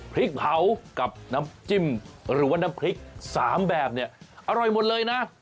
พริกเผากับน้ำจิ้มหรือว่าน้ำพริก๓แบบเนี่ยอร่อยหมดเลยนะ